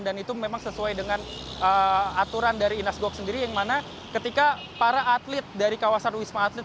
dan itu memang sesuai dengan aturan dari inas gok sendiri yang mana ketika para atlet dari kawasan wisma atlet